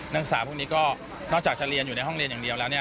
ศึกษาพวกนี้ก็นอกจากจะเรียนอยู่ในห้องเรียนอย่างเดียวแล้วเนี่ย